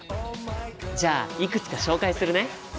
じゃあいくつか紹介するね。